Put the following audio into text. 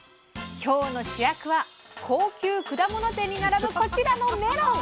今日の主役は高級果物店に並ぶこちらのメロン。